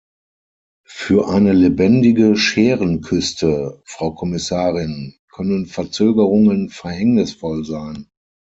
Für eine lebendige Schärenküste, Frau Kommissarin, können Verzögerungen verhängnisvoll sein.